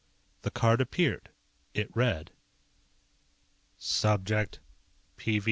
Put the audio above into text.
The card appeared. It read: "_Subject #PV8.